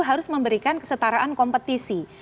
harus memberikan kesetaraan kompetisi